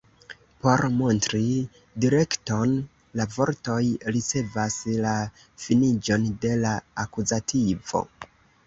Por montri direkton, la vortoj ricevas la finiĝon de la akuzativo.